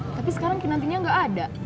tapi sekarang kinantinya gak ada